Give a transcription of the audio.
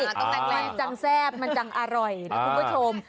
มันจังแซ่บมันจังอร่อยคุณผู้ชม